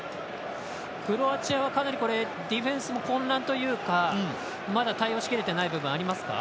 クロアチアはかなりディフェンスも混乱というかまだ対応しきれてない部分ありますか？